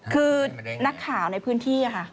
คือนักข่าวในพื้นที่ค่ะ